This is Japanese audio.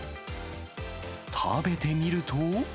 食べてみると。